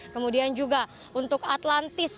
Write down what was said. kemudian juga untuk atlantis